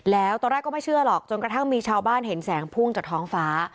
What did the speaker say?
แล้วตอนแรกก็ไม่เชื่อหรอกจนกระทั่งมีชาวบ้านเห็นแสงพุ่งจากท้องฟ้า